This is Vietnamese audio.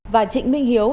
và chị minh hiếu